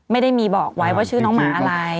ไม่ได้มีบอกไว้ว่าชื่อน้องหมาอะไร